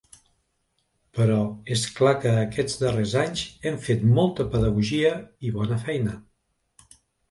Però és clar que aquests darrers anys hem fet molta pedagogia i bona feina.